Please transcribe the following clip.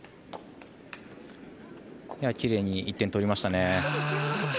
奇麗に１点取りましたね。